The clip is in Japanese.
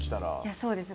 そうですね。